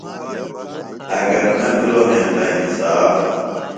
اگر نہ بِھلوۡ ہنتہ انصاف۔